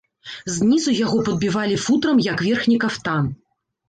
Знізу яго падбівалі футрам як верхні кафтан.